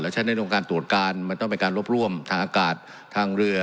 ฉันในโรงการตรวจการมันต้องเป็นการรบร่วมทางอากาศทางเรือ